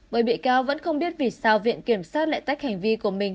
bởi bị cáo vẫn không biết vì sao viện kiểm sát lại tách hành vi của mình